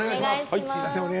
すいません。